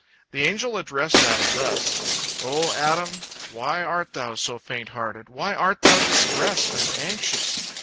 The angel addressed Adam thus: "O Adam, why art thou so fainthearted? Why art thou distressed and anxious?